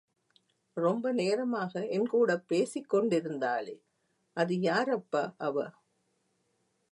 ரொம்ப நேரமாக என் கூடப் பேசிக் கொண்டிருந்தாளே, அது யாரப்பா அவ?